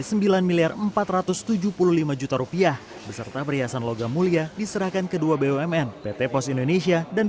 sehingga jangan sempat sempat untuk melakukan tindakan korupsi di sini